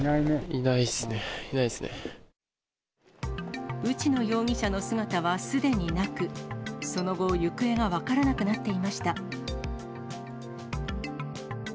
いないですね、内野容疑者の姿はすでになく、その後、行方が分からなくなっていました。